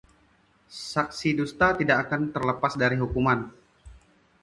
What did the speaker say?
Saksi dusta tidak akan terlepas dari hukuman